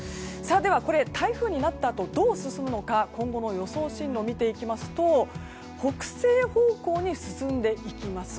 では、台風になったあとどう進むのか今後の予想進路を見ていきますと北西方向に進んでいきます。